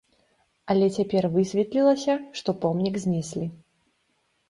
Але цяпер высветлілася, што помнік знеслі.